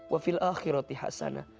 wa fil akhirati hasana